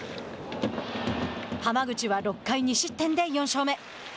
濱口は６回２失点で４勝目。